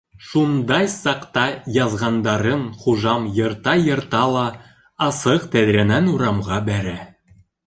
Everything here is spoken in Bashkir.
Шундай саҡта яҙғандарын хужам йырта-йырта ла, асыҡ тәҙрәнән урамға бәрә.